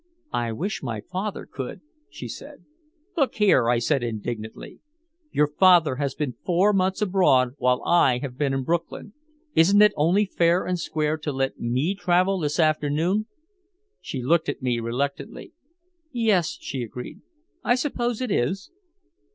"I wish my father could," she said. "Look here," I said indignantly. "Your father has been four months abroad while I have been in Brooklyn! Isn't it only fair and square to let me travel this afternoon?" She looked at me reluctantly. "Yes," she agreed. "I suppose it is."